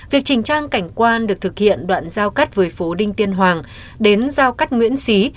việc chỉnh trang cảnh quan được thực hiện đoạn giao cắt với phố đinh tiên hoàng đến giao cắt nguyễn xí